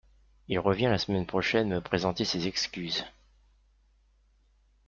il revient la semaine prochaine me présenter ses excuses